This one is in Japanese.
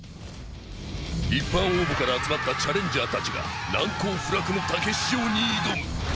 一般応募から集まったチャレンジャーたちが、難攻不落のたけし城に挑む。